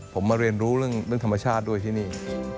ผมมาเรียนรู้เรื่องธรรมชาติด้วยที่นี่